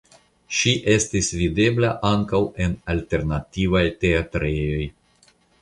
Ŝi estis videbla ankaŭ en alternativaj teatrejoj.